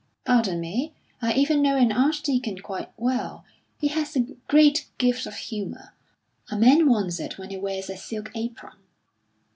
"Pardon me, I even know an archdeacon quite well. He has a great gift of humour; a man wants it when he wears a silk apron."